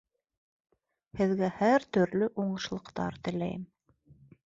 Һеҙгә һәр төрлө уңышлыҡтар теләйем